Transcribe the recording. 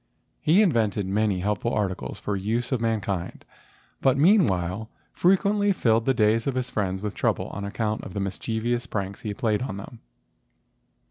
He invented many helpful articles for the use of mankind, but meanwhile frequently filled the days of his friends with trouble on account of the mischievous pranks which he played on them.